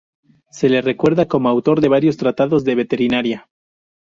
Se le recuerda como autor de varios tratados de veterinaria.